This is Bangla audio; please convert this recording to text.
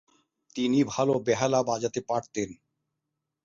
তিনি ভাল বেহালা বাজাতে পারতেন।